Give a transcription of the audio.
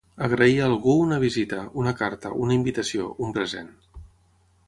Agrair a algú una visita, una carta, una invitació, un present.